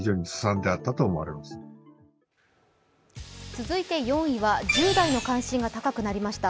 続いて４位は１０代の関心が高くなりました。